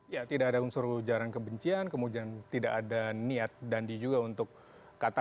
ya tidak ada unsur ujaran kebencian kemudian tidak ada niat dandi juga untuk kata